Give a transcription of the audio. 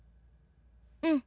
うん。